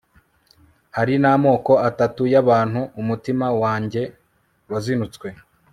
hari n'amoko atatu y'abantu, umutima wanjye wazinutswe